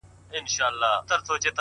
لټ پر لټ اوړمه د شپې. هغه چي بيا ياديږي.